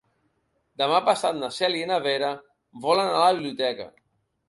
Demà passat na Cèlia i na Vera volen anar a la biblioteca.